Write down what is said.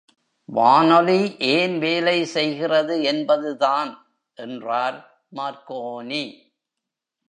வானொலி ஏன் வேலை செய்கிறது என்பது தான்! என்றார் மார்க்கோனி.